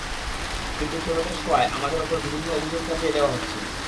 কিন্তু ছোট দেশ হওয়ায় আমাদের ওপর বিভিন্ন অভিযোগ চাপিয়ে দেওয়া হচ্ছে।